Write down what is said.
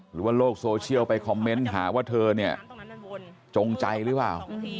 หรือว่าโลกโซเชียลไปคอมเมนต์หาว่าเธอจงใจรึเปล่า